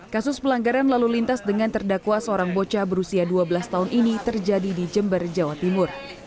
kasus pelanggaran lalu lintas dengan terdakwa seorang bocah berusia dua belas tahun ini terjadi di jember jawa timur